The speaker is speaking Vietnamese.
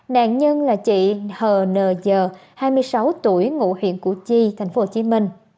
nạn nhân là chị h n giờ hai mươi sáu tuổi ngụ huyện củ chi tp hcm